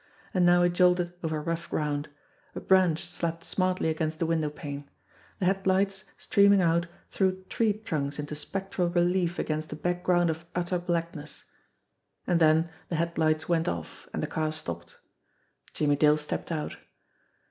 And now it jolted over rough ground. A branch slapped smartly against the window pane. The headlights, streaming out, threw tree trunks into spectral relief against a background of utter blackness. And then the headlights went off, and the car stopped. Jimmie Dale stepped out.